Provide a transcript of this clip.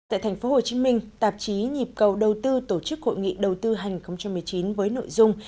tại thành phố hồ chí minh tạp chí nhịp cầu đầu tư tổ chức hội nghị đầu tư hành một mươi chín với nội dung